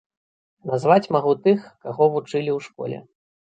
Назваць магу тых, каго вучылі ў школе.